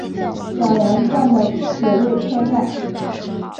小岩站的铁路车站。